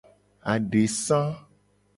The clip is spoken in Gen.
Adesa.